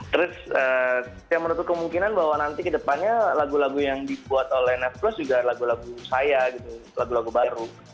terus saya menurut kemungkinan bahwa nanti ke depannya lagu lagu yang dibuat oleh nesplus juga lagu lagu saya gitu lagu lagu baru